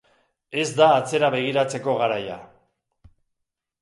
Ez da atzera begiratzeko garaia.